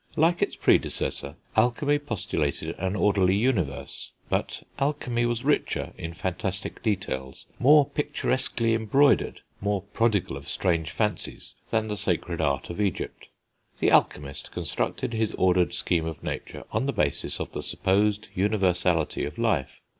Like its predecessor, alchemy postulated an orderly universe; but alchemy was richer in fantastic details, more picturesquely embroidered, more prodigal of strange fancies, than the sacred art of Egypt. The alchemist constructed his ordered scheme of nature on the basis of the supposed universality of life.